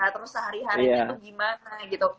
terus sehari harinya itu gimana